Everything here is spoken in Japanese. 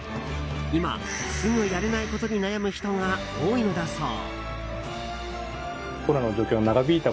今、すぐやれないことに悩む人が多いのだそう。